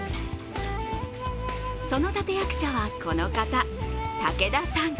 その立て役者はこの方、竹田さん。